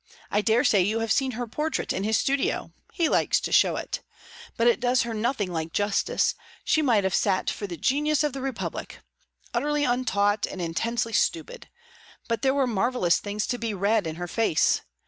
I dare say you have seen her portrait in his studio; he likes to show it. But it does her nothing like justice; she might have sat for the genius of the Republic. Utterly untaught, and intensely stupid; but there were marvellous things to be read in her face.